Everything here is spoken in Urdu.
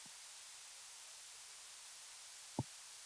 سرفراز کو دے دی گئی۔